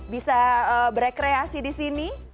bisa berekreasi di sini